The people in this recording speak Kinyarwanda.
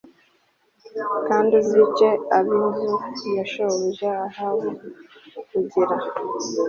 kandi uzice ab inzu ya shobuja ahabu kugira